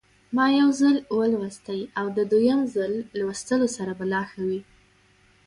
ما یو ځل ولوستی او د دویم ځل لوستلو سره به لا ښه وي.